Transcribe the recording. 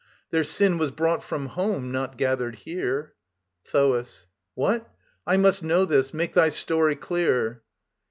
Their sin was brought from home, not gathered here. THOAS. What? I must know this. Make thy story clear.